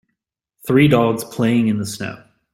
Three dogs playing in the snow